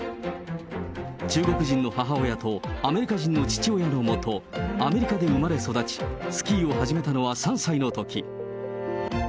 中国人の母親とアメリカ人の父親の下、アメリカで生まれ育ち、スキーを始めたのは３歳のとき。